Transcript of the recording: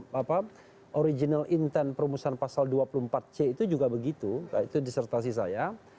apa original intent perumusan pasal dua puluh empat c itu juga begitu itu disertasi saya